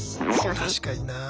確かになあ。